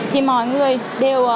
thì mọi người đều vun thúc thêm